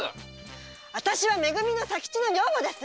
私はめ組の佐吉の女房です！